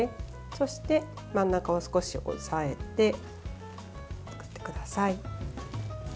そして、真ん中を少し押さえてください。